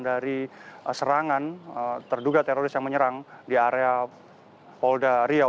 dari serangan terduga teroris yang menyerang di area polda riau